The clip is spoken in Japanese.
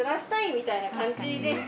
みたいな感じです。